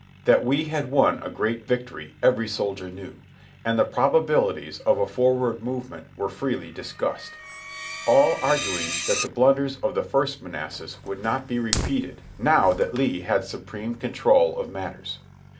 That we had won a great victory every soldier knew, and the probabilities of a forward movement were freely discussed ; all agreeing that the blunders of the first Manassas would not be re peated now that Lee had supreme control of matters.